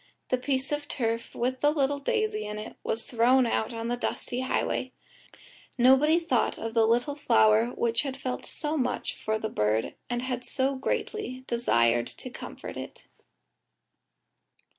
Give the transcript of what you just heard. The piece of turf, with the little daisy in it, was thrown out on the dusty highway. Nobody thought of the flower which had felt so much for the bird and had so greatly desired to comfort it.